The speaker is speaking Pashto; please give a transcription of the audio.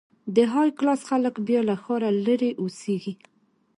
د های کلاس خلک بیا له ښاره لرې اوسېږي.